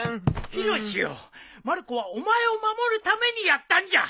ヒロシよまる子はお前を守るためにやったんじゃ。